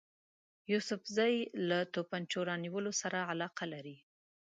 یوسفزي له توپنچو رانیولو سره علاقه لري.